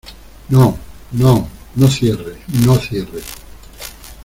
no, no , no cierre , no cierre.